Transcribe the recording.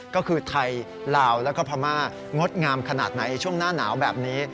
ก็คือไทยลาวแล้วก็พม่างดงามขนาดไหนในช่วงหน้าหนาวแบบนี้